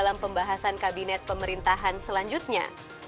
dan pembahasan kabinet pemerintahan selanjutnya